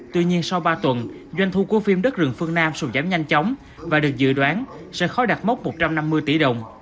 tuy nhiên sau ba tuần doanh thu của phim đất rừng phương nam sụn giảm nhanh chóng và được dự đoán sẽ khó đạt mốc một trăm năm mươi tỷ đồng